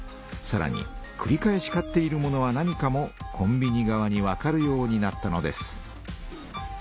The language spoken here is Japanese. さらにくり返し買っているものは何かもコンビニ側にわかるようになったのです。